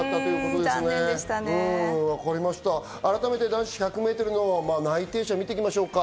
改めて男子１００ｍの内定者を見てみましょうか。